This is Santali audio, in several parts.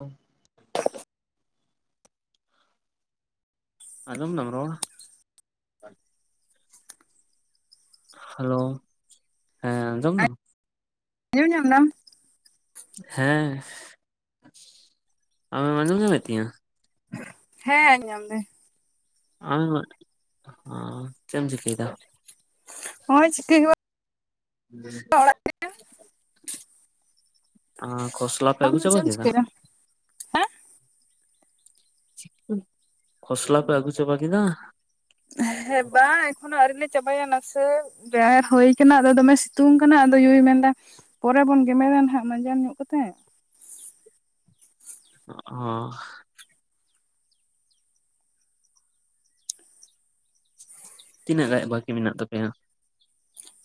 ᱦᱮᱸ ᱟᱡᱚᱢ ᱫᱟᱢ ᱨᱚᱲ ᱦᱮᱞᱳ ᱦᱮᱸ ᱟᱸᱡᱚᱢ ᱫᱟᱢ? ᱟᱡᱚᱢ ᱧᱟᱢ ᱫᱟᱢ? ᱦᱮᱸ᱾ ᱟᱢᱮᱢ ᱟᱡᱚᱢ ᱧᱟᱢ ᱮᱫ ᱛᱤᱧᱟ? ᱦᱮᱸ ᱟᱡᱚᱢ ᱫᱤᱧ ᱞᱟᱭ ᱢᱮ ᱪᱮᱫ ᱮᱢ ᱪᱤᱠᱟᱭᱫᱟᱢ ᱦᱳᱭ ᱪᱤᱠᱟ ᱦᱚ ᱵᱟᱝ ᱚᱲᱟᱜ ᱦᱚ ᱠᱷᱚᱥᱞᱟ ᱯᱮ ᱟᱢ ᱟᱜᱩ ᱫᱚ ᱪᱟᱵᱟ ᱪᱮᱫ ᱮᱢ ᱠᱮᱫᱟ? ᱪᱤᱠᱟᱹᱭᱮᱫᱟ? ᱦᱮᱸ ᱠᱷᱚᱥᱞᱟ ᱯᱮ ᱟᱜᱩ ᱪᱟᱵᱟ ᱠᱮᱫᱟ? ᱦᱮᱸ ᱵᱟᱝ ᱮᱠᱷᱚᱱ ᱦᱚ ᱟᱣᱨᱤ ᱞᱮᱼᱼ ᱪᱟᱵᱟᱭᱟ᱾ ᱱᱟᱥᱮ ᱵᱮᱲᱟ ᱦᱩᱭ ᱟᱠᱟᱱᱟ ᱟᱫᱚ ᱫᱚᱢᱮ ᱥᱤᱛᱩᱝ ᱠᱟᱱᱟ ᱟᱫᱚ ᱳᱭᱳᱭ ᱢᱮᱱᱫᱟ ᱯᱚᱨᱮ ᱵᱚᱱ ᱜᱮᱢᱮᱨ ᱠᱷᱟᱱ ᱦᱟᱜ ᱢᱟᱡᱟᱱ ᱠᱚ ᱛᱮᱜ [unintelligible] ᱚ ᱛᱤᱱᱟᱹᱜ ᱜᱟᱱ ᱵᱟᱠᱤ ᱢᱮᱱᱟᱜ ᱛᱟᱯᱮᱭᱟ?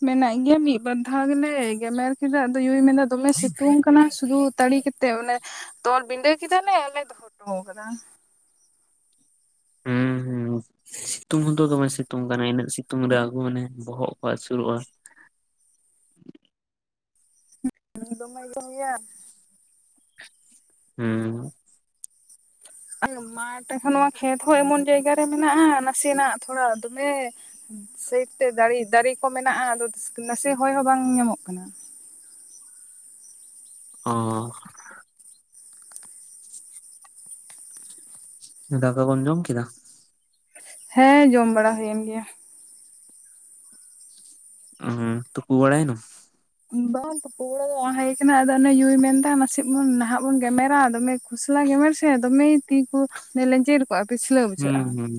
ᱢᱮᱱᱟᱜ ᱜᱮᱭᱟ ᱢᱤᱫ ᱵᱟᱨ ᱫᱷᱟᱣ ᱜᱮᱞᱮ ᱜᱮᱢᱮᱨ ᱠᱮᱫᱟ ᱟᱫᱚ ᱳᱭᱳᱭ ᱢᱮᱱᱫᱟ ᱫᱚᱢᱮ ᱥᱤᱛᱩᱝ ᱠᱟᱱᱟ᱾ ᱥᱩ ᱛᱟᱹᱲᱤ ᱠᱟᱛᱮ ᱚᱱᱮ ᱛᱚᱞ ᱵᱤᱸᱰᱟᱹ ᱠᱮᱫᱟᱞᱮ ᱟᱨᱞᱮ ᱫᱚᱦᱚ ᱦᱚᱴᱚ ᱠᱟᱫᱟ᱾ ᱦᱮᱸ ᱥᱤᱛᱩᱝ ᱫᱚᱛᱚ ᱫᱚᱢᱮ ᱥᱤᱛᱩᱝᱼᱼ ᱢᱟᱱᱮ ᱤᱱᱟᱹᱜ ᱥᱤᱛᱩᱝ ᱨᱮ ᱟᱹᱜᱩ ᱢᱟᱱᱮ ᱵᱚᱦᱚᱜ ᱠᱚ ᱟᱹᱥᱩᱨᱚᱜᱼᱟ᱾ ᱫᱚᱢᱮ ᱤᱭᱟᱹ ᱜᱮᱭᱟ ᱦᱮᱸ [inaudible] ᱢᱟ ᱴᱷᱟᱱ ᱱᱚᱣᱟ ᱠᱷᱮᱛ ᱦᱚᱸ ᱮᱢᱚᱱ ᱡᱟᱭᱜᱟ ᱨᱮ ᱢᱮᱱᱟᱜᱼᱟ ᱱᱟᱥᱮᱱᱟᱜ ᱛᱷᱚᱲᱟ ᱫᱚᱢᱮ ᱥᱟᱭᱤᱰ ᱛᱮ ᱫᱟᱨᱮ ᱫᱟᱨᱮ ᱠᱚ ᱢᱮᱱᱟᱜᱼᱟ᱾ ᱱᱟᱥᱮ ᱦᱚᱭ ᱦᱚᱸ ᱵᱟᱝ ᱧᱟᱢᱚᱜ ᱠᱟᱱᱟ᱾ [inaudible] ᱚ ᱫᱟᱠᱟ ᱠᱚᱢ ᱡᱚᱢ ᱠᱮᱫᱟ? ᱦᱮᱸ ᱡᱚᱢ ᱵᱟᱲᱟ ᱦᱩᱭᱮᱱ ᱜᱮᱭᱟ᱾ ᱦᱮᱸ ᱛᱩᱯᱩ ᱵᱟᱲᱟᱭᱮᱱᱟᱢ? ᱵᱟᱝ ᱛᱩᱯᱩᱲᱟ ᱫᱚ ᱵᱟᱝ ᱦ ᱟᱠᱟᱱᱟ ᱟᱫᱚ ᱚᱱᱮ ᱭᱩᱭ ᱢᱮᱱᱫᱟ ᱱᱟᱥᱮ ᱵᱚᱱ ᱱᱟᱦᱟᱜ ᱵᱚᱱ ᱜᱮᱢᱮᱨᱟ ᱫᱚᱢᱮ ᱠᱷᱥᱟᱞᱟᱜ ᱜᱮᱢᱮᱨ ᱥᱮ ᱫᱚᱢᱮ ᱛᱤ ᱠᱚ ᱞᱮᱧᱡᱮᱨ ᱠᱚᱜᱼᱟ ᱯᱤᱪᱷᱞᱟᱹᱣ ᱦᱩᱸ ᱵᱩᱡᱷᱟᱹᱜᱼᱟ᱾ ᱦᱩᱸ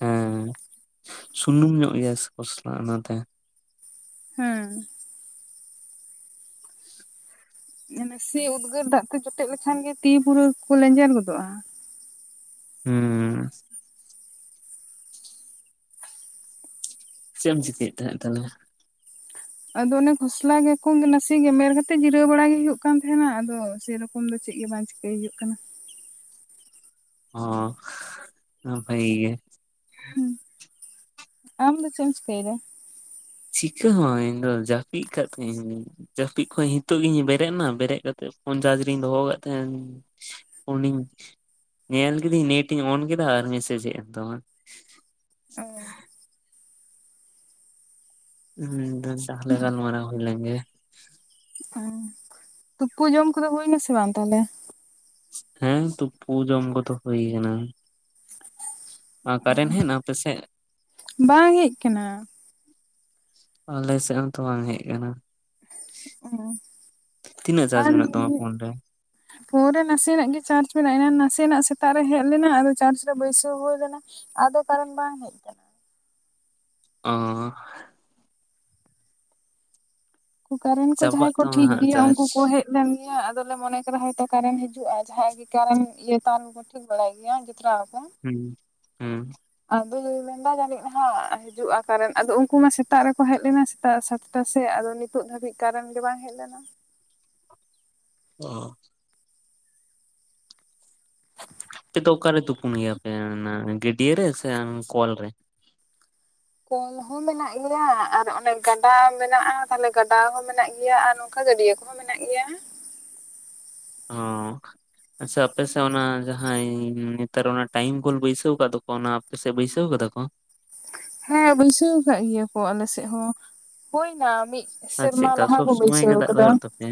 ᱦᱮᱸ ᱥᱩᱱᱩᱢ ᱧᱚᱜ ᱜᱮᱭᱟ ᱥᱮ ᱠᱚᱥᱞᱟ ᱚᱱᱟᱛᱮ ᱦᱮᱸ ᱢᱟᱱᱮ ᱥᱮ ᱩᱫᱽᱜᱟᱹᱨ ᱫᱟᱜ ᱛᱮ ᱡᱚᱴᱮᱫ ᱞᱮᱠᱷᱟᱱ ᱜᱮ ᱛᱤᱯᱩᱨᱟᱹ ᱠᱚ ᱞᱮᱸᱡᱮᱨ ᱜᱚᱫᱚᱜᱼᱟ᱾ ᱦᱮᱸ ᱪᱮᱫ ᱮᱢ ᱪᱤᱠᱟᱹᱭᱮᱫ ᱛᱟᱦᱮᱸᱫ ᱛᱟᱦᱚᱞᱮᱭᱟ? ᱟᱫᱚ ᱚᱱᱮ ᱠᱷᱚᱥᱞᱟ ᱜᱮᱠᱚ ᱱᱟᱥᱮ ᱜᱮᱢᱨ ᱠᱟᱛᱮᱜ ᱡᱤᱨᱟᱹᱣ ᱵᱟᱲᱟᱜ ᱜᱮ ᱦᱩᱭᱩᱜ ᱠᱟᱱ ᱛᱟᱦᱮᱸᱱᱟ ᱟᱫᱚ ᱥᱮᱨᱚᱠᱚᱢ ᱫᱚ ᱪᱮᱫ ᱜᱮ ᱵᱟᱝ ᱪᱤᱠᱟᱹᱭ ᱦᱩᱭᱩᱜ ᱠᱟᱱᱟ᱾ ᱚ ᱱᱟᱯᱟᱭ ᱜᱮ ᱦᱩᱸ ᱟᱢ ᱫᱚ ᱪᱮᱫ ᱮᱢ ᱪᱤᱠᱟᱹᱭᱮᱫᱟ ᱪᱤᱠᱟᱹ ᱦᱚᱸ ᱵᱟᱝ ᱤᱧ ᱫᱚ ᱡᱟᱹᱯᱤᱫ ᱠᱟᱜ ᱛᱤᱦᱤᱧ ᱡᱟᱹᱯᱤᱫ ᱠᱷᱚᱡ ᱱᱤᱛᱚᱜ ᱜᱤᱧ ᱵᱮᱨᱮᱫ ᱮᱱᱟ ᱵᱮᱨᱮᱫ ᱠᱟᱛᱮᱫ ᱯᱷᱳᱱ ᱪᱟᱨᱡ ᱨᱮᱧ ᱫᱚᱦᱚ ᱟᱠᱟᱫ ᱛᱟᱦᱮᱱ ᱯᱷᱳᱱ ᱤᱧ ᱧᱮᱞ ᱠᱤᱫᱟᱹᱧ ᱱᱮᱴ ᱤᱧ ᱚᱱ ᱠᱮᱫᱟ ᱟᱨ ᱢᱮᱥᱮᱡ ᱦᱮᱡ ᱮᱱ ᱛᱟᱢᱟ᱾ ᱦᱚᱸ ᱪᱟᱦᱞᱮ ᱜᱞᱢᱟᱨᱟ ᱦᱩᱭ ᱞᱮᱜᱮ ᱚ ᱛᱩᱯᱩ ᱡᱚᱢ ᱠᱚᱫᱚ ᱦᱩᱭ ᱱᱟᱥᱮ ᱵᱟᱝ ᱛᱟᱦᱚᱞᱮ? ᱦᱮᱸ ᱛᱚ ᱯᱩ ᱡᱚᱢ ᱠᱚᱫᱚ ᱦᱩᱭ ᱠᱟᱱᱟ᱾ ᱠᱟᱨᱮᱱ ᱦᱮᱡ ᱮᱱᱟ ᱟᱯᱮ ᱥᱮᱫ ᱵᱟᱝ ᱦᱮᱡ ᱠᱟᱱᱟ᱾ ᱟᱞᱮ ᱥᱮᱫ ᱦᱚᱸᱛᱚ ᱵᱟᱝ ᱦᱮᱡ ᱟᱠᱟᱱᱟ᱾ ᱛᱤᱱᱟᱹᱜ ᱪᱟᱨᱡ ᱟᱨ ᱢᱮᱱᱟᱜ ᱛᱟᱢᱟ ᱯᱷᱳᱱ ᱨᱮ? ᱯᱷᱳᱱ ᱨᱮ ᱱᱟᱥᱮᱱᱟᱜ ᱜᱮ ᱪᱟᱨᱪ ᱢᱮᱱᱟᱜᱼᱟ᱾ ᱱᱟᱥᱮᱱᱟᱜ ᱥᱮᱛᱟᱜ ᱨᱮ ᱦᱮᱡ ᱞᱮᱱᱟ ᱪᱟᱨ ᱨᱮ ᱵᱟᱹᱭᱥᱟᱹᱣ ᱦᱩᱭ ᱞᱮᱱᱟ᱾ ᱟᱫᱚ ᱠᱟᱨᱮᱱ ᱵᱟᱝ ᱦᱮᱡ ᱟᱠᱟᱱᱟ᱾ ᱚ ᱠᱟᱨᱮᱱ ᱠᱚ ᱪᱟᱵᱟᱜ ᱡᱟᱦᱟᱸᱭ ᱠᱚ ᱛᱟᱢᱟ ᱴᱷᱤᱠ ᱦᱟᱸᱜ ᱜᱮᱭᱟ ᱪᱟᱨᱡᱽ ᱩᱱᱠᱩ ᱠᱚ ᱦᱮᱡ ᱞᱮᱱ ᱜᱮᱭᱟ᱾ ᱟᱞᱮ ᱢᱚᱱᱮ ᱠᱮᱫᱟ ᱦᱩᱭᱛᱚ ᱠᱟᱨᱮᱱ ᱦᱤᱡᱩᱜᱼᱟ ᱡᱟᱦᱟᱸᱭ ᱜᱮ ᱠᱟᱨᱮᱱ ᱤᱭᱟᱹ ᱛᱟᱨ ᱠᱚ ᱴᱷᱤᱠ ᱵᱟᱲᱟᱭ ᱜᱮᱭᱟ᱾ ᱡᱮᱛᱟᱨᱟ ᱦᱮᱸ ᱦᱮᱸ ᱪᱟᱸᱫ ᱫᱚᱭ ᱢᱮᱱᱫᱟ ᱡᱟᱹᱱᱤᱡ ᱦᱟᱜ ᱦᱤᱡᱩᱜᱼᱟ ᱠᱟᱨᱮᱱ ᱟᱫᱚ ᱩᱱᱠᱩ ᱢᱟ ᱥᱮᱛᱟᱜ ᱨᱮᱠᱚ ᱦᱮᱡ ᱞᱮᱱᱟ ᱥᱮᱛᱟᱜ ᱥᱟᱛᱴᱟ ᱥᱮᱫ ᱟᱫᱚ ᱱᱤᱛᱚᱜ ᱫᱷᱟᱹᱵᱤᱡ ᱠᱟᱨᱮᱱ ᱜᱮ ᱵᱟᱝ ᱦᱮᱡ ᱞᱮᱱᱟ᱾ [inaudible] ᱚ ᱛᱚ ᱚᱠᱟᱨᱮ ᱛᱩᱯᱩᱱ ᱜᱮᱯᱮ ᱜᱟᱹᱰᱭᱟᱹ ᱨᱮ ᱥᱮ ᱠᱚᱞ ᱨᱮ ᱠᱚᱞ ᱦᱚᱸ ᱢᱮᱱᱟᱜ ᱜᱮᱭᱟ ᱟᱨ ᱚᱱᱮ ᱜᱟᱰᱟ ᱢᱮᱱᱟᱜᱼᱟ ᱛᱟᱞᱦᱮ ᱜᱟᱰᱟ ᱦᱚᱸ ᱢᱮᱱᱟᱜ ᱜᱮᱭᱟ ᱟᱨ ᱱᱚᱝᱠᱟ ᱜᱟᱹᱰᱭᱟᱹ ᱠᱚᱦᱚᱸ ᱢᱮᱱᱟᱜ ᱜᱮᱭᱟ᱾ ᱚ ᱟᱪᱷᱟ ᱟᱯᱮᱥᱮᱫ ᱚᱱᱟ ᱡᱟᱦᱟᱸᱟᱭ ᱱᱮᱛᱟᱨ ᱚᱱᱟ ᱴᱟᱭᱤᱢ ᱵᱩᱞ ᱵᱟᱹᱭᱥᱟᱹᱣ ᱟᱠᱟᱫ ᱫᱚᱠᱚ ᱚᱱᱟ ᱟᱯᱮᱥᱮᱫ ᱵᱤᱭᱟᱟᱣ ᱠᱟᱱᱟ? [inaudible] ᱦᱮᱸ ᱵᱟᱹᱭᱥᱟᱹᱣ ᱠᱟᱫ ᱜᱮᱭᱟ ᱠᱚ ᱟᱞᱮ ᱥᱮᱫ ᱦᱚᱸ ᱦᱳᱭ ᱢᱤᱫ ᱟᱨ ᱥᱮᱨᱢᱟ ᱪᱮᱫᱠᱟ ᱞᱟᱦᱟ ᱥᱚᱵᱽ ᱠᱚᱢ ᱥᱚᱢᱚᱭ ᱜᱮ ᱵᱟᱹᱭᱥᱟᱹᱣ ᱫᱟᱜ ᱫᱚ ᱠᱟᱫᱟ᱾ ᱦᱩᱭᱩᱜ ᱛᱟᱯᱮᱭᱟ?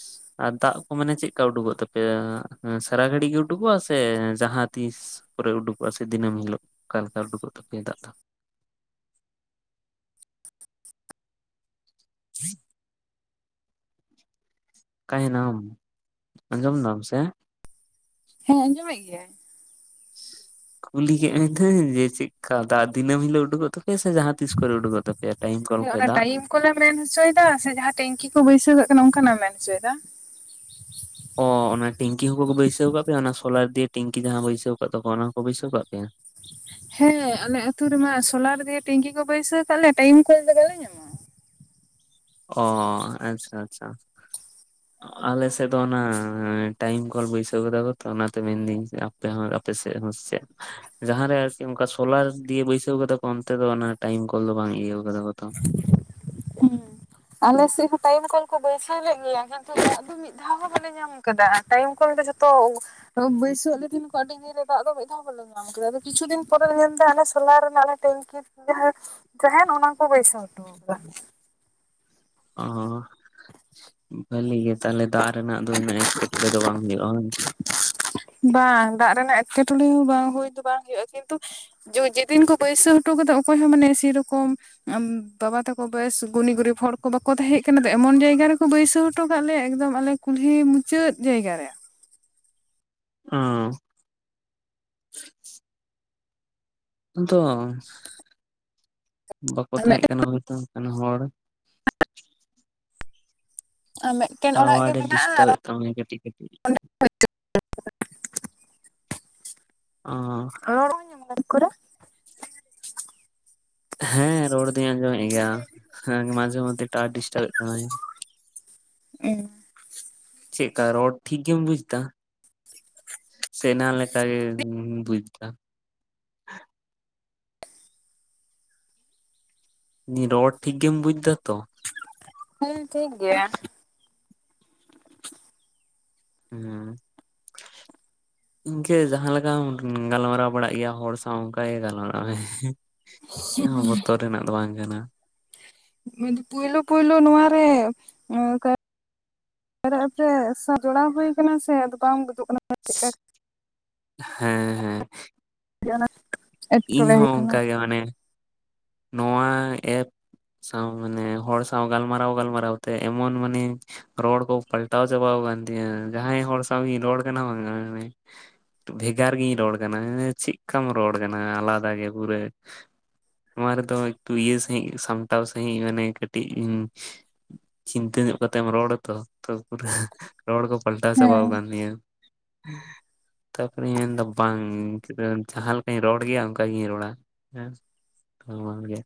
[inaudible] ᱟᱨ ᱫᱟᱜ ᱠᱚ ᱢᱟᱱᱮ ᱪᱮᱞᱮᱠᱟ ᱩᱰᱩᱠᱚᱜ ᱛᱟᱯᱮᱭᱟ ᱥᱟᱨᱟ ᱜᱷᱟᱹᱲᱤ ᱜᱮ ᱩᱰᱩᱠᱚᱜᱼᱟ ᱥᱮ ᱡᱟᱦᱟᱸ ᱛᱤᱥ ᱯᱩᱨᱟᱹ ᱩᱰᱩᱠᱚᱜᱼᱟ ᱥᱮ ᱫᱤᱱᱟᱹ ᱦᱤᱞᱳᱜ ᱚᱠᱟᱮ ᱞᱮᱠᱟ ᱩᱰᱩᱠᱚᱜ ᱛᱟᱯᱮᱭᱟ ᱫᱟᱜ ᱫᱚ? ᱻ [inaudible] ᱦ [unintelligible] ᱚᱠᱟᱭ ᱱᱟᱢ ᱟᱸᱡᱚᱢ ᱫᱟᱢ ᱥᱮ? ᱦᱮᱸ ᱟᱸᱡᱚᱢᱮᱫ ᱜᱤᱭᱟᱹᱧ᱾ ᱠᱩᱞᱤ ᱠᱮᱜ ᱢᱮᱫᱩᱧ ᱫᱤᱱᱟᱹᱢ ᱡᱮ ᱪᱮᱫ ᱞᱮᱠᱟ ᱫᱟᱜ ᱫᱤᱱᱟᱢ ᱞᱤᱞᱚᱜ ᱩᱰᱩᱚᱜ ᱛᱟᱯᱮᱭᱟ ᱥᱮ ᱡᱟᱦᱟᱸ ᱛᱤᱥ ᱠᱚᱨᱮ ᱩᱰᱩᱠᱚᱜ ᱛᱟᱯᱮᱭᱟ ᱴᱟᱭᱤᱢ ᱠᱚᱞ ᱦᱮᱸ ᱠᱷᱚᱡ ᱚᱱᱟ ᱫᱟᱜ? ᱴᱟᱭᱤᱢ ᱠᱚᱞᱮ ᱢᱮᱱ ᱦᱚᱪᱚᱭᱮᱫᱟ ᱥᱮ ᱡᱟᱦᱟᱸ ᱴᱮᱝᱠᱤ ᱠᱚ ᱵᱟᱹᱭᱥᱟᱹᱣ ᱚᱱᱠᱟᱱᱟᱜ ᱮᱢ ᱢᱮᱱ ᱦᱚᱪᱚᱭᱮᱫᱟ? ᱚ ᱚᱱᱟ ᱴᱤᱝᱠᱤ ᱡᱟᱦᱟᱸ ᱵᱟᱹᱭᱥᱟᱹᱣ ᱠᱟᱜ ᱛᱟᱠᱚᱣᱟ ᱚᱱᱟ ᱠᱚ ᱵᱟᱹᱭᱥᱟᱹᱣ ᱠᱟᱜ ᱯᱮᱭᱟ᱾ ᱦᱮᱸ ᱟᱞᱮ ᱟᱹᱛᱳ ᱨᱮᱢᱟ ᱥᱳᱞᱟᱨ ᱫᱤᱭᱮ ᱴᱮᱝᱠᱤ ᱠᱚ ᱵᱟᱹᱭᱥᱟᱹᱣ ᱠᱟᱫ ᱞᱮᱭᱟ ᱴᱟᱭᱤᱢ ᱠᱚ ᱫᱚ ᱵᱟᱞᱮ ᱧᱟᱢᱟ᱾ ᱚ ᱟᱪᱪᱷᱟ ᱟᱪᱪᱷᱟ ᱟᱞᱮ ᱥᱮᱫ ᱫᱚ ᱚᱱᱟ ᱴᱟᱭᱤᱢ ᱠᱚᱞ ᱵᱟᱹᱭᱥᱟᱹᱣ ᱠᱟᱫᱟ ᱠᱚ ᱛᱚ ᱚᱱᱟᱛᱮ ᱢᱮᱱᱫᱟᱹᱧ ᱟᱯᱮ ᱦᱚᱸ ᱟᱯᱮ ᱥᱮᱫ ᱦᱟᱸ ᱪᱮᱫ ᱡᱟᱦᱟᱸᱨᱮ ᱟᱨᱠᱤ ᱚᱱᱠᱟ ᱥᱳᱞᱟᱨ ᱫᱤᱭᱮ ᱵᱟᱹᱭᱥᱟᱹᱣ ᱠᱟᱫᱟ ᱠᱚ ᱚᱱᱛᱮ ᱫᱚ ᱴᱟᱭᱤᱢ ᱠᱚᱞ ᱫᱚ ᱵᱟᱝ ᱤᱭᱟ‍‍ᱹ ᱠᱟᱫᱟ ᱠᱚ ᱛᱚ ᱟᱞᱮᱥᱮᱫ ᱦᱚᱸ ᱴᱟᱭᱤᱢ ᱠᱚᱞ ᱠᱚ ᱵᱟᱹᱭᱥᱟᱹᱣ ᱞᱮᱫ ᱜᱮᱭᱟ ᱠᱤᱱᱛᱩ ᱫᱟᱜ ᱫᱚ ᱢᱤᱫ ᱫᱷᱟᱣ ᱦᱚᱸ ᱵᱟᱞᱮ ᱧᱟᱢ ᱟᱠᱟᱫᱟ ᱴᱟᱭᱤᱢ ᱠᱚᱞ ᱡᱷᱚᱛᱚ ᱵᱟᱹᱭᱥᱟᱹᱣ ᱞᱮ ᱛᱟᱦᱮᱱ ᱠᱚ ᱟᱹᱰᱤ ᱫᱤᱱ ᱨᱮ ᱫᱟᱜ ᱫᱚ ᱢᱤᱫ ᱫᱷᱟᱣ ᱵᱟᱞᱮ ᱧᱟᱢ ᱠᱮᱫᱟ ᱟᱫᱚ ᱠᱤᱪᱷᱩ ᱫᱤᱱ ᱯᱚᱨᱮ ᱢᱮᱱ ᱮᱫᱟ ᱥᱳᱞᱟᱨ ᱨᱮᱱᱟᱜ ᱴᱮᱝᱠᱤ ᱡᱟᱦᱟᱸ ᱛᱟᱦᱮᱱ ᱚᱱᱟ ᱠᱚ ᱵᱟᱹᱭᱥᱟᱹᱣ ᱦᱚᱴᱚ ᱠᱟᱫᱟ ᱚ ᱵᱷᱟᱹᱞᱤ ᱜᱮ ᱛᱟᱦᱞᱮ ᱫᱟᱜ ᱨᱮᱱᱟᱜ ᱫᱚ ᱩᱱᱟᱹᱜ ᱮᱸᱴᱠᱮᱴᱚᱲᱮ ᱫᱚ ᱵᱟᱝ ᱦᱩᱭᱩᱜᱼᱟ ᱵᱟᱝ ᱫᱟᱜ ᱮᱠᱮᱴᱚᱬᱮ ᱦᱚᱸ ᱵᱟᱝ ᱦᱩᱭ ᱫᱚ ᱵᱟᱝ ᱦᱳᱭᱼᱟ ᱠᱤᱱᱛᱩ ᱡᱮᱫᱤᱱ ᱠᱚ ᱵᱟᱹᱭᱥᱟᱹ ᱦᱚᱴᱚ ᱠᱟᱫᱟ ᱚᱠᱚᱭ ᱦᱚᱸ ᱢᱟᱱᱮ ᱥᱮᱨᱚᱠᱚᱢ ᱵᱟᱵᱟ ᱛᱟᱠᱚ ᱵᱮᱥ ᱜᱩᱱᱤ ᱜᱩᱨᱤᱵ ᱦᱚᱲ ᱠᱚ ᱵᱟᱠᱚ ᱛᱟᱦᱮᱸ ᱠᱟᱱᱟ ᱛᱚ ᱮᱢᱚᱱ ᱡᱟᱭᱜᱟ ᱨᱮᱠᱚ ᱵᱟᱹᱭᱥᱟᱹᱣ ᱦᱚᱴᱚ ᱠᱟᱜ ᱞᱮᱭᱟ ᱟᱞᱮ ᱠᱩᱞᱦᱤ ᱢᱩᱪᱟᱹᱫ ᱡᱟᱭᱜᱟ ᱨᱮ᱾ ᱚ ᱛᱚ ᱵᱟᱠᱚ ᱛᱟᱦᱮᱸ ᱠᱟᱱᱟ ᱦᱚᱭ ᱛᱚ ᱦᱚᱲ ᱟᱨ ᱢᱤᱫᱴᱮᱱ ᱚᱲᱟᱜ ᱜᱮ ᱴᱟᱣᱟᱨᱮ ᱢᱮᱱᱟᱜᱼᱟ ᱰᱤᱥᱴᱟᱵ ᱟᱨᱚ ᱮᱫ ᱛᱟᱢᱟᱭ ᱠᱟᱹᱴᱤᱡ ᱠᱟᱹᱴᱤᱡ ᱚᱸ [unintelligible] ᱻ [unintelligible] ᱚ [unintelligible] ᱦᱮᱸ ᱨᱚᱲ ᱟᱸᱡᱚᱢᱮᱫ ᱜᱮᱭᱟ ᱢᱟᱡᱷᱮ ᱢᱚᱫᱽᱫᱷᱮ ᱴᱟᱣᱟᱨ ᱰᱤᱥᱴᱟᱵ ᱛᱟᱢᱟᱭ᱾ ᱚ ᱪᱮᱫᱠᱟ ᱨᱚᱲ ᱴᱷᱤᱠ ᱜᱮᱢ ᱵᱩᱡ ᱮᱫᱟ ᱥᱮ ᱮᱱᱟᱝ ᱞᱮᱠᱟ ᱜᱮᱢ ᱵᱩᱡᱽᱫᱟ ᱨᱚᱲ ᱴᱷᱤᱠ ᱜᱮᱢ ᱵᱩᱡ ᱫᱟ ᱛᱚ? ᱦᱮᱸ ᱴᱷᱤᱠ ᱜᱮᱭᱟ᱾ ᱦᱮᱸ ᱤᱱᱠᱟᱹ ᱡᱟᱦᱟᱸ ᱞᱮᱠᱟᱢ ᱜᱟᱞᱢᱟᱨᱟᱣ ᱵᱟᱲᱟᱜ ᱜᱮᱭᱟ ᱦᱚᱲ ᱥᱟᱶ ᱚᱱᱠᱟᱜᱮ ᱜᱟᱞᱢᱟᱨᱟᱣ ᱢᱮ ᱪᱮᱫ ᱦᱚᱸ ᱵᱚᱛᱚᱨ ᱨᱮᱱᱟᱜ ᱫᱚ ᱵᱟᱝ ᱠᱟᱱᱟ᱾ ᱟᱱ ᱯᱳᱭᱞᱳ ᱯᱳᱭᱞᱳ ᱱᱚᱣᱟᱨᱮ ᱯᱨᱮᱯᱚᱨ ᱡᱚᱲᱟᱣ ᱦᱩᱭ ᱟᱠᱟᱱᱟ ᱥᱮ ᱟᱫᱚ ᱵᱟᱝ ᱜᱩᱡᱩᱜ ᱠᱟᱱᱟ᱾ ᱪᱮᱫᱠᱟ ᱦᱮᱸ ᱦᱮᱸ ᱟᱹᱰᱤ ᱟᱴ ᱮᱸᱴᱠᱮᱴᱬᱮ ᱤᱧᱦᱚᱸ ᱦᱩᱭ ᱠᱟᱱᱟ᱾ ᱚᱱᱠᱟᱜᱮ ᱢᱟᱱᱮ ᱱᱚᱣᱟ ᱮᱯ ᱥᱟᱶ ᱢᱟᱱᱮ ᱦᱚᱲ ᱥᱟᱶ ᱜᱟᱞᱢᱟᱨᱟᱣ ᱜᱟᱞᱢᱟᱨᱟᱣ ᱛᱮ ᱮᱢᱚᱱ ᱢᱟᱱᱮ ᱨᱚᱲ ᱠᱚ ᱯᱟᱞᱴᱟᱣ ᱪᱟᱵᱟᱣ ᱠᱟᱱ ᱛᱤᱧᱟ ᱡᱟᱦᱟᱸᱭ ᱦᱚᱲ ᱥᱟᱶ ᱤᱧ ᱨᱚᱲ ᱠᱟᱱᱟ ᱵᱟᱝ ᱵᱷᱮᱜᱟᱨ ᱜᱤᱧ ᱨᱚᱲ ᱠᱟᱱᱟ ᱪᱮᱫᱠᱟᱢ ᱨᱚᱲ ᱠᱟᱱᱟ ᱟᱞᱟᱫᱟ ᱜᱮ ᱯᱩᱨᱟᱹ ᱱᱚᱣᱟ ᱨᱮᱫᱚ ᱮᱠᱴᱩ ᱤᱭᱟᱹ ᱥᱟᱹᱦᱤᱡ ᱥᱟᱢᱴᱟᱣ ᱥᱟᱹᱦᱤᱡ ᱢᱟᱱᱮ ᱠᱟᱹᱴᱤᱡ ᱪᱤᱱᱛᱟᱹ ᱧᱚᱜ ᱠᱟᱛᱮ ᱨᱚᱲ ᱛᱚ ᱯᱩᱨᱟ ᱨᱚᱲ ᱠᱚ ᱯᱟᱞᱴᱟᱣ ᱪᱟᱵᱟ ᱦᱮᱸ ᱠᱟᱱ ᱛᱤᱧᱟ᱾ ᱛᱟᱨᱯᱚᱨᱮᱧ ᱢᱮᱱᱫᱟ ᱵᱟᱝ᱾ ᱡᱟᱦᱟᱸ ᱞᱮᱠᱟᱧ ᱨᱚᱲ ᱜᱮᱭᱟ ᱚᱱᱠᱟ ᱜᱤᱧ ᱨᱚᱲᱟ ᱦᱮᱸ ᱡᱟᱦᱟᱨᱟ ᱜᱮ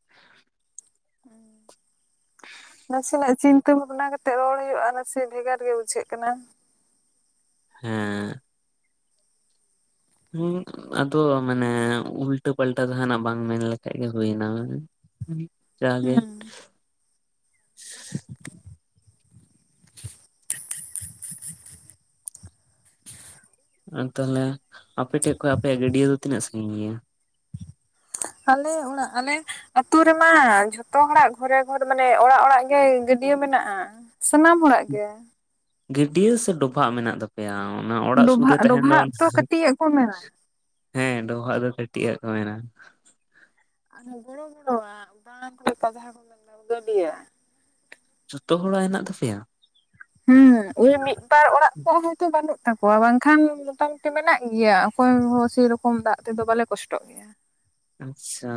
ᱱᱟᱥᱮᱱᱟᱜ ᱪᱤᱱᱛᱟᱹ ᱵᱽᱟᱵᱽᱱᱟ ᱠᱟᱛᱮ ᱨᱚᱲ ᱦᱩᱭᱩᱜᱼᱟ᱾ ᱱᱟᱥᱮ ᱵᱽᱮᱜᱟᱨ ᱜᱮ ᱵᱩᱡᱽᱟᱹᱜ ᱠᱟᱱᱟ᱾ ᱦᱮᱸ ᱦᱮᱸ ᱟᱫᱚ ᱢᱟᱱᱮ ᱩᱞᱴᱟᱹ ᱯᱟᱞᱴᱟ ᱡᱟᱦᱟᱱᱟᱜ ᱵᱟᱝ ᱢᱮᱱ ᱞᱮᱠᱷᱟᱡ ᱜᱮ ᱦᱩᱭᱱᱟ᱾ ᱡᱟ ᱜᱮ ᱦᱩᱸ ᱟᱨ ᱛᱟᱦᱞᱮ ᱟᱯᱮᱴᱷᱮᱡ ᱠᱷᱚᱱᱟᱜ ᱟᱯᱮᱭᱟᱜ ᱜᱟᱹᱰᱭᱟᱹ ᱫᱚ ᱛᱤᱱᱟᱹᱜ ᱥᱟᱺᱟᱹᱜᱤᱧ ᱜᱮᱭᱟ? ᱟᱞᱮ ᱚᱲᱟᱜ ᱟᱞᱮ ᱟᱹᱛᱩ ᱨᱮᱢᱟ ᱡᱷᱚᱛᱚ ᱦᱚᱲᱟᱜ ᱜᱷᱚᱨᱮ ᱜᱷᱚᱨ ᱢᱟᱱᱮ ᱚᱲᱟᱜ ᱚᱲᱟᱜ ᱜᱮ ᱜᱟᱹ ᱰᱭᱟᱹ ᱢᱮᱱᱟᱜᱼᱟ ᱥᱟᱱᱟᱢ ᱦᱚᱲᱟᱜ ᱜᱮ ᱜᱟᱹᱰᱭᱟᱹ ᱥᱮ ᱰᱚᱵᱷᱟᱜ ᱢᱮᱱᱟᱜ ᱛᱟᱯᱮᱭᱟ? ᱚᱱᱟ ᱚᱲᱟᱜ ᱥᱩᱨ ᱨᱮ ᱰᱚᱵᱷᱟᱜ ᱛᱟᱦᱮᱸᱱ ᱫᱚ ᱰᱚᱵᱷᱟᱜ ᱛᱚ ᱠᱟᱹᱴᱤᱡ ᱟᱜ ᱠᱚ ᱢᱮᱱᱟ ᱦᱮᱸ ᱰᱚᱵᱷᱟᱜ ᱫᱚ ᱠᱟᱹᱴᱤᱡ-ᱟ ᱠᱚ ᱢᱮᱱᱟ᱾ ᱟᱨ ᱜᱚᱲᱚ ᱜᱚᱲᱚᱣᱟᱜ ᱫᱟᱬᱟᱱ ᱠᱚᱨᱮ ᱟ ᱡᱟᱦᱟ ᱠᱚ ᱢᱮᱱᱫᱟ ᱜᱟᱹᱰᱟᱹᱭᱟ ᱡᱚᱛᱚ ᱦᱚᱲᱟᱜ ᱦᱮᱱᱟᱜ ᱛᱟᱯᱮᱭᱟ? ᱦᱮᱸᱻᱭ ᱢᱤᱫ ᱵᱟᱨ ᱚᱲᱟᱜ ᱠᱚ ᱦᱚᱭᱛᱳ ᱵᱟᱹᱱᱩᱜ ᱛᱟᱠᱚᱣᱟ ᱵᱟᱝ ᱠᱷᱟᱱ ᱢᱚᱴᱟᱢᱩᱴᱤ ᱢᱮᱱᱟᱜ ᱜᱮᱭᱟ ᱚᱠᱚᱭ ᱦᱚᱸᱪᱚᱸ ᱥᱮᱨᱚᱠᱚᱢ ᱫᱟᱜ ᱛᱮᱫᱚ ᱵᱟᱞᱮ ᱠᱚᱥᱴᱚᱜ ᱜᱮᱭᱟ ᱟᱪᱪᱷᱟ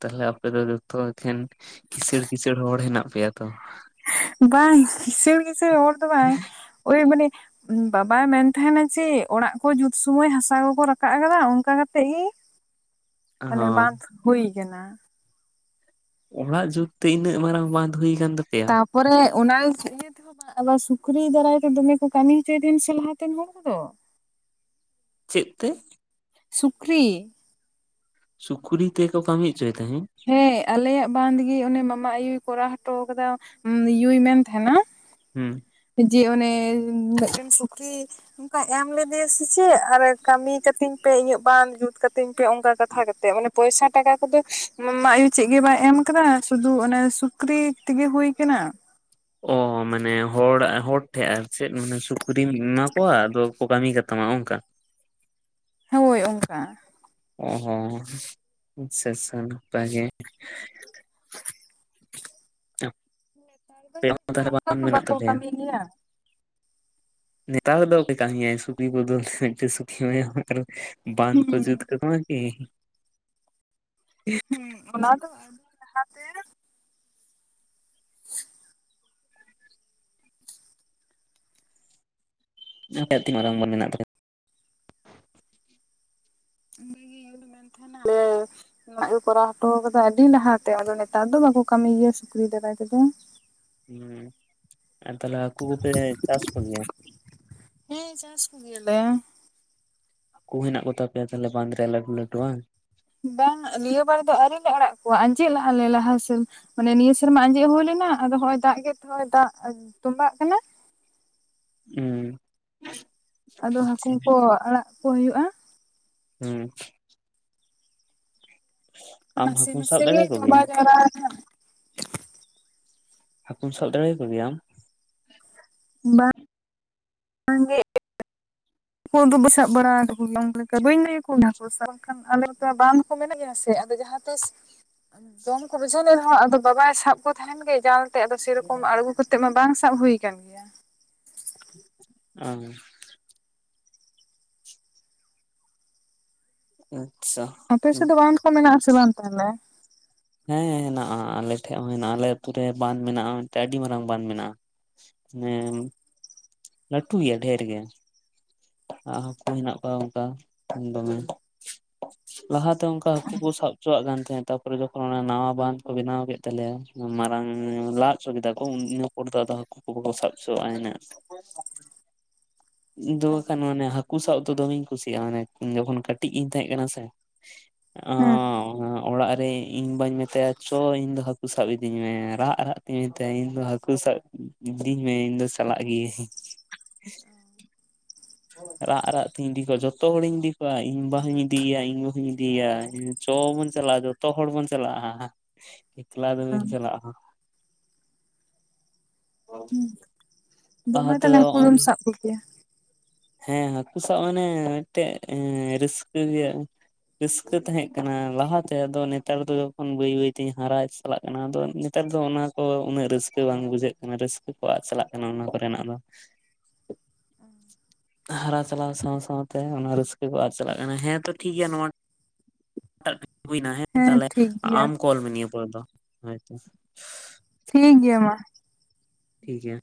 ᱛᱟᱦᱞᱮ ᱟᱯᱮ ᱫᱚ ᱡᱚᱛᱚ ᱮᱠᱷᱮᱱ ᱠᱤᱥᱟᱹᱬ ᱠᱤᱥᱟᱹᱬ ᱦᱚᱲ ᱦᱮᱱᱟᱜ ᱯᱮᱭᱟ ᱛᱚ [inaudible] ᱵᱟᱝᱻᱭ ᱠᱤᱥᱟᱹᱲ ᱠᱤᱥᱟᱹᱲ ᱦᱚᱲ ᱫᱚ ᱵᱟᱝᱻᱟᱭ᱾ ᱚᱭᱮ ᱢᱟᱱᱮ ᱵᱟᱵᱟᱭ ᱢᱮᱱ ᱛᱟᱦᱮᱸᱱᱟ ᱡᱮ ᱚᱲᱟᱜ ᱠᱚ ᱡᱩᱛ ᱥᱚᱢᱚᱭ ᱦᱟᱥᱟ ᱠᱚᱠᱚ ᱨᱟᱠᱟᱵ ᱠᱟᱫᱟ ᱚᱱᱠᱟ ᱠᱟᱛᱮ ᱜᱮ ᱤᱧ [inaudible] ᱢᱟᱱᱮ ᱦᱚᱸ ᱵᱟᱸᱫᱷ ᱦᱩᱭ ᱠᱟᱱᱟ᱾ ᱚᱲᱟᱜ ᱡᱩᱜᱽ ᱛᱮ ᱤᱱᱟᱹᱜ ᱢᱟᱨᱟᱝ ᱵᱟᱫᱷ ᱛᱟᱯᱚᱨᱮ ᱚᱱᱟ ᱤᱭᱟᱹ ᱛᱮᱦᱚᱸ ᱵᱟ ᱟᱵᱟᱨ ᱥᱩᱠᱨᱤ ᱫᱟᱨᱟᱭ ᱛᱮ ᱫᱚᱢᱮ ᱠᱚ ᱠᱟᱹᱢᱤ ᱦᱚᱪᱚᱭ ᱫᱤᱱ ᱥᱮ ᱞᱟᱦᱟᱛᱮᱱ ᱦᱚᱲ ᱠᱚᱫᱚ ᱪᱮᱫ ᱛᱮ? ᱥᱩᱠᱨᱤ᱾ ᱥᱩᱠᱨᱤ ᱛᱮᱠᱚ ᱠᱟᱹᱢᱤ ᱦᱚᱪᱚᱭ ᱛᱟᱦᱮᱸᱫ ᱦᱮᱸ ᱟᱞᱮᱭᱟᱜ ᱵᱟᱸᱫᱜᱤ ᱚᱱᱮ ᱢᱟᱢᱟ ᱟᱭᱩ ᱠᱚᱨᱟᱣ ᱦᱚᱴᱚ ᱟᱠᱟᱫᱟ ᱭᱩ ᱢᱮᱸᱱ ᱛᱟᱦᱮᱸᱱᱟ᱾ ᱦᱩᱸ ᱡᱮ ᱚᱱᱮ ᱢᱤᱫᱴᱮᱱ ᱥᱩᱠᱨᱤ ᱚᱸᱱᱠᱟ ᱮᱢ ᱞᱮᱫᱮᱭᱟ ᱥᱮ ᱪᱮ ᱟᱨ ᱠᱟᱹᱢᱤ ᱠᱟᱹᱛᱤᱧ ᱯᱮ ᱤᱧᱟᱹᱜ ᱵᱟᱝ ᱡᱩᱛ ᱠᱟᱹᱛᱤᱧ ᱯᱮ ᱚᱱᱠᱟ ᱠᱟᱛᱷᱟ ᱠᱟᱛᱮ ᱚᱱᱮ ᱯᱚᱭᱥᱟ ᱴᱟᱠᱟ ᱠᱚᱫᱚ ᱢᱟᱢᱟᱭᱩ ᱪᱮᱫ ᱜᱮ ᱵᱟᱭ ᱮᱢ ᱟᱠᱟᱫᱟ ᱥᱩᱫᱩ ᱚᱱᱮ ᱥᱩᱠᱨᱤ ᱛᱤᱜᱤ ᱦᱩᱭ ᱠᱟᱱᱟ᱾ ᱦᱮᱸ ᱳ ᱢᱟᱱᱮ ᱦᱚᱲᱟ ᱦᱚᱲ ᱴᱷᱮᱡ ᱟᱨ ᱪᱮᱫ ᱢᱟᱱᱮ ᱥᱩᱠᱨᱤ ᱤᱢᱟᱣ ᱠᱚ ᱟᱫᱚ ᱠᱚ ᱠᱟᱹᱢᱤ ᱠᱟᱛᱟᱢᱟ ᱚᱱᱠᱟ? ᱦᱳᱭ ᱚᱱᱠᱟ ᱚᱻᱦᱚᱸ ᱟᱪᱪᱷᱟ ᱟᱪᱪᱷᱟ ᱱᱟᱯᱟᱭ ᱜᱮ [inaudible] ᱱᱮᱛᱟᱨ ᱫᱚ ᱡᱟᱹᱱᱤᱡ ᱟᱸᱮ ᱠᱷᱟᱱ ᱛᱟᱦᱚᱞᱮ ᱚᱱᱠᱟ ᱵᱟᱝ ᱫᱚ ᱢᱮᱱᱟᱜ ᱵᱟᱠᱚ ᱛᱟᱯᱮᱭᱟ? ᱠᱟᱹᱢᱤ ᱜᱮᱭᱟ ᱱᱮᱛᱟᱞ ᱫᱚ ᱠᱟᱹᱢᱤ ᱢᱤᱫᱴᱟᱝ ᱥᱩᱠᱤ ᱮᱢᱟᱭᱟᱢ ᱵᱟᱸᱫᱷ ᱠᱚ ᱦᱩᱸ ᱡᱩᱫ ᱠᱟ ᱛᱟᱢᱟ ᱠᱤ ᱦᱮᱸ ᱚᱱᱟ ᱫᱚ ᱟᱹᱰᱤ ᱞᱟᱦᱟᱛᱮ ᱟ ᱢᱟᱨᱟᱝ ᱢᱚᱱ ᱢᱮᱱᱟᱜ ᱛᱟᱞᱮᱭᱟ᱾ ᱚᱰᱮᱜᱮ ᱱᱟ ᱠᱚ ᱠᱚᱨᱟᱣ ᱦᱚᱴᱚ ᱠᱟᱫᱟ ᱟᱹᱰᱤ ᱞᱟᱦᱟᱛᱮ ᱟᱫᱚ ᱱᱮᱛᱟᱨ ᱫᱚ ᱵᱟᱠᱩ ᱠᱟᱹᱢᱤ ᱜᱮᱭᱟ ᱥᱮ ᱯᱷ ᱫᱵᱟᱭ ᱛᱮᱫᱚ ᱦᱮᱸ ᱟᱨ ᱛᱟᱦᱞᱮ ᱦᱟᱹᱠᱩ ᱠᱚᱯᱮ ᱪᱟᱥ ᱠᱚ ᱜᱮᱭᱟ? ᱦᱮᱸ ᱪᱟᱥ ᱠᱩ ᱜᱤᱭᱟᱞᱮ ᱦᱟᱠᱩ ᱦᱮᱱᱟᱜ ᱠᱚᱛᱟ ᱯᱮᱭᱟ ᱛᱟᱦᱞᱮ ᱵᱟᱸᱫᱽ ᱨᱮ ᱞᱟᱹᱴᱩ ᱞᱟᱹᱴᱩᱼᱦᱟᱝ? ᱵᱟᱝ ᱱᱤᱭᱟᱹ ᱵᱟᱨ ᱫᱚ ᱟᱹᱣᱨᱤᱤᱞᱮ ᱟᱲᱟᱜ ᱠᱚᱣᱟ ᱟᱸᱡᱮᱫ ᱞᱟᱦᱟ ᱞᱮ ᱞᱟᱦᱟ ᱥᱮᱱ ᱢᱟᱱᱮ ᱱᱤᱭᱟᱹ ᱥᱮᱨᱢᱟ ᱟᱸᱡᱮᱫ ᱦᱩᱭᱞᱮᱱ ᱟᱫᱚ ᱦᱚᱸᱜ ᱱᱚᱜ ᱚᱭ ᱫᱟᱜ ᱜᱮᱫ ᱛᱮ ᱫᱟᱜ ᱛᱚᱵᱟᱜ ᱠᱟᱱᱟ᱾ ᱦᱮᱸ ᱟᱫᱚ ᱦᱟᱹᱠᱩ ᱠᱚ ᱟᱲᱟᱜ ᱠᱚ ᱦᱩᱭᱩᱜᱼᱟ᱾ ᱦᱮᱸ ᱱᱟᱥᱮ ᱦᱟᱹᱠᱩᱢ ᱥᱟᱵ ᱱᱟᱥᱮ ᱜᱮ ᱫᱟᱲᱮ ᱠᱚᱜᱮᱭᱟ ᱛᱚᱵᱟᱜ ᱡᱟᱣᱨᱟ ᱠᱟᱱᱟ᱾ ᱦᱟᱹᱠᱩᱢ ᱥᱟᱵ ᱫᱟᱲᱮ ᱟᱠᱚ ᱜᱮᱭᱟ ᱟᱢ? ᱵᱟᱝ ᱵᱟᱝ ᱜᱮ ᱠᱚ ᱤᱫ ᱫᱚ ᱥᱟᱵ ᱵᱟᱲᱟ ᱠᱟᱜ ᱠᱚᱜᱮᱭᱟ ᱵᱟᱹᱧ ᱞᱟᱹᱭᱟ ᱠᱚ ᱠᱟᱱᱟ ᱠᱚ ᱵᱟᱝᱠᱷᱟᱱ ᱟᱞᱮ ᱛᱚ ᱵᱟᱝ ᱠᱚ ᱢᱮᱱᱟᱜ ᱜᱮᱭᱟ ᱥᱮ ᱟᱫᱚ ᱡᱟᱦᱟᱸ ᱛᱤᱥ ᱡᱚᱢ ᱠᱚ ᱵᱩᱡᱷᱟᱹᱣ ᱮ ᱨᱮᱦᱚᱸ ᱟᱫᱚ ᱵᱟᱵᱟᱭ ᱥᱟᱵ ᱠᱚ ᱛᱟᱦᱮᱱ ᱜᱮ ᱡᱟᱞ ᱡᱟᱞ ᱛᱮ ᱟᱫᱚ ᱥᱮᱨᱚᱠᱚᱢ ᱟᱬᱜᱚ ᱠᱟᱛᱮᱜ ᱢᱟ ᱵᱟᱝ ᱥᱟᱵ ᱦᱩᱭ ᱟᱠᱟᱱ ᱜᱮᱭᱟ᱾ ᱚ ᱦᱮᱸ ᱟᱯᱮ ᱥᱮᱫ ᱫᱚ ᱵᱟᱱᱫᱽ ᱠᱚ ᱢᱮᱱᱟᱜ ᱟᱥᱮ ᱵᱟᱝ ᱛᱟᱦᱚᱞᱮ? ᱦᱮᱸ ᱦᱮᱱᱟᱜᱼᱟ᱾ ᱟᱞᱮ ᱴᱷᱮᱡ ᱦᱚᱸ ᱦᱮᱱᱟᱜᱼᱟ ᱟᱞᱮ ᱟᱛᱩ ᱨᱮᱦᱚ ᱵᱟᱸᱫ ᱢᱮᱱᱟᱜᱼᱟ ᱢᱤᱫ ᱟᱹᱰᱤ ᱢᱟᱨᱟᱝ ᱵᱟᱸᱫ ᱢᱮᱱᱟᱜᱼᱟ᱾ ᱦᱮ ᱞᱟᱴᱩ ᱜᱮᱭᱟ ᱰᱷᱮᱨ ᱜᱮ ᱟᱨ ᱦᱟᱹᱠᱩ ᱦᱮᱱᱟᱜ ᱠᱚᱣᱟ ᱚᱱᱠᱟ ᱫᱚᱢᱮ ᱞᱟᱦᱟᱛᱮ ᱚᱱᱠᱟ ᱦᱟᱠᱩ ᱠᱚ‌ ᱥᱟᱵᱪᱚᱣᱟᱜ ᱠᱟᱱ ᱛᱟᱦᱮᱸᱼᱟ᱾ ᱛᱟᱯᱚᱨᱮ ᱡᱚᱠᱷᱚᱱ ᱱᱟᱣᱟ ᱵᱟᱸᱫᱷ ᱠᱚ ᱵᱮᱱᱟᱣ ᱠᱮᱫ ᱛᱟᱞᱮᱭᱟ ᱢᱟᱨᱟᱝ ᱞᱟ ᱦᱚᱪᱚ ᱠᱮᱫᱟ ᱠᱚ ᱤᱱᱟᱹ ᱯᱚᱨ ᱫᱚ ᱦᱟᱹᱠᱩ ᱠᱚ ᱵᱟᱝᱠᱚ ᱥᱟᱵ ᱦᱚᱪᱚᱣᱟᱜᱼᱟ᱾ ᱤᱱᱟᱹᱜ ᱫᱚ ᱠᱷᱟᱱ ᱢᱟᱱᱮ ᱦᱟᱹᱠᱩ ᱥᱟᱵ ᱫᱚ ᱫᱚᱢᱮᱧ ᱠᱩᱥᱤᱭᱟᱜᱼᱟ ᱢᱮ ᱡᱚᱠᱷᱚᱱ ᱠᱟᱹᱴᱤᱡ ᱤᱧ ᱛᱟᱦᱮᱸ ᱠᱟᱱᱟ ᱥᱮ ᱚ ᱦᱮᱸ ᱚᱲᱟᱜ ᱨᱮ ᱤᱧ ᱵᱟᱹᱧ ᱢᱮᱛᱟᱭᱟ ᱪᱚ ᱤᱧ ᱫᱚ ᱦᱟᱹᱠᱩ ᱥᱟᱵ ᱤᱫᱤᱧ ᱢᱮ ᱨᱟᱜ ᱨᱟᱜ ᱛᱤᱧ ᱢᱮᱛᱟᱭᱟ ᱤᱧ ᱫᱚ ᱦᱟᱹᱠᱩ ᱥᱟ ᱥᱟᱵ ᱤᱫᱤᱧ ᱢᱮ ᱤᱧ ᱫᱚ ᱪᱟᱞᱟᱜ ᱜᱤᱭᱟᱹᱧ᱾ ᱨᱟᱜ ᱨᱟᱜ ᱛᱤᱧ ᱤᱫᱤ ᱠᱚᱣᱟ ᱡᱚᱛᱚ ᱦᱚᱲᱤᱧ ᱤᱫᱤ ᱠᱚᱣᱟ ᱤᱧ ᱵᱟ ᱦᱩᱧ ᱤᱫᱤᱭᱮᱭᱟ ᱤᱧ ᱜᱚ ᱦᱚᱧ ᱤᱫᱤᱭᱮᱭᱟ᱾ ᱡᱚ ᱵᱚᱱ ᱪᱟᱞᱟᱜᱼᱟ, ᱡᱚᱛᱚ ᱦᱚᱲ ᱵᱚᱱ ᱪᱟᱞᱟᱜᱼᱟ, ᱮᱠᱞᱟ ᱫᱚ ᱵᱟᱹᱧ ᱪᱟᱞᱟᱜᱼᱟ᱾ ᱚ ᱫᱚᱢᱮ ᱛᱟᱦᱚᱞᱮ ᱦᱟᱹᱠᱩ ᱫᱚᱢ ᱥᱟᱵ ᱠᱚᱜᱮᱭᱟ᱾ ᱦᱮᱸ ᱦᱟᱹᱠᱩ ᱥᱟᱵ ᱢᱟᱱᱮ ᱢᱤᱫᱴᱮᱡ ᱨᱟᱹᱥᱠᱟᱹ ᱜᱮᱭᱟ᱾ ᱨᱟᱹᱥᱠᱟᱹ ᱛᱟᱦᱮᱸ ᱠᱟᱱᱟ ᱞᱟᱦᱟᱛᱮ ᱟᱫᱚ ᱱᱮᱛᱟᱨ ᱫᱚ ᱡᱚᱱ ᱵᱟᱹᱭ ᱵᱟᱹᱭᱛᱤ ᱦᱟᱨᱟ ᱪᱟᱞᱟᱜ ᱠᱟᱱᱟ ᱟᱫᱚ ᱱᱮᱛᱟᱨ ᱱᱮᱛᱟᱨ ᱫᱚ ᱚᱱᱟ ᱠᱚ ᱩᱱᱟᱹᱜ ᱨᱟᱹᱥᱠᱟᱹ ᱵᱟᱝ ᱵᱩᱡᱷᱟᱹᱜ ᱠᱟᱱᱟ ᱨᱟᱹᱥᱠᱟᱹ ᱠᱚ ᱟᱫ ᱪᱟᱞᱟᱜ ᱠᱟᱱᱟ ᱚᱱᱟ ᱠᱚᱨᱮᱱᱟᱜ ᱫᱚ ᱻ [inaudible] ᱦᱟᱨᱟ ᱪᱟᱞᱟᱣ ᱥᱟᱶ ᱥᱟᱶᱛᱮ ᱚᱱᱟ ᱨᱟᱹᱥᱠᱟᱹ ᱠᱚ ᱟᱫ ᱪᱟᱞᱟᱜ ᱠᱟᱱᱟ ᱦᱮᱸ ᱛᱚ ᱴᱷᱤᱠᱜᱮᱭᱟ ᱱᱚᱣᱟ ᱴᱟᱜ ᱦᱩᱭᱱᱟ ᱦᱮᱸ ᱛᱟᱦᱞᱮ ᱴᱷᱤᱠ ᱜᱮᱭᱟ ᱟᱢ ᱠᱚᱞ ᱢᱮ ᱱᱤᱭᱟᱹ ᱯᱚᱨ ᱫᱚ ᱦᱳᱭᱛᱚ ᱴᱷᱤᱠ ᱜᱮᱭᱟ ᱢᱟ᱾ ᱴᱷᱤᱠ ᱜᱮᱭᱟ